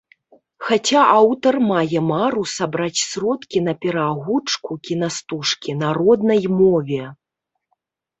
Хаця аўтар мае мару сабраць сродкі на пераагучку кінастужкі на роднай мове.